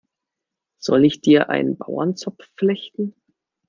Soll ich dir einen Bauernzopf flechten?